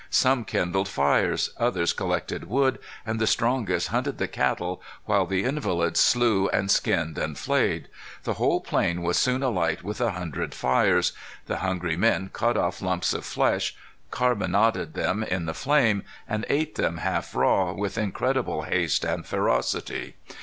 Some kindled fires; others collected wood; and the strongest hunted the cattle, while the invalids slew and skinned and flayed. The whole plain was soon alight with a hundred fires. The hungry men cut off lumps of flesh, carbonaded them in the flame, and ate them half raw, with incredible haste and ferocity.